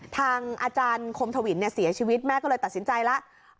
ทางอาจารย์คมทวินเสียชีวิตแม่ก็เลยตัดสินใจแล้ว